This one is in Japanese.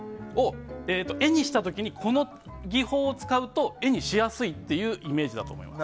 絵にした時にこの技法を使うと絵にしやすいというイメージだと思います。